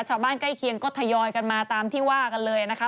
ใกล้เคียงก็ทยอยกันมาตามที่ว่ากันเลยนะคะ